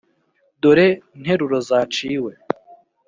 dore nteruro zaciwe;